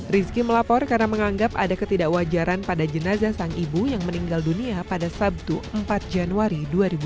rizky melapor karena menganggap ada ketidakwajaran pada jenazah sang ibu yang meninggal dunia pada sabtu empat januari dua ribu dua puluh